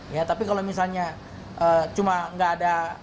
ya tapi kalau misalnya cuma nggak ada